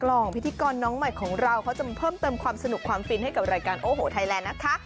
ลองพิธีกรน้องใหม่ของเราเขาจะมาเพิ่มเติมความสนุกความฟินให้กับรายการโอ้โหไทยแลนด์นะคะ